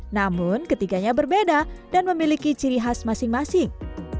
namun ketiganya berbeda dan memiliki ciri khas masing masing